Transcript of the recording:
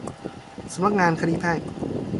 สำนักงานคดีแพ่ง